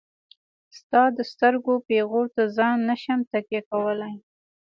ستا د سترګو پيغور ته ځان نشم تکيه کولاي.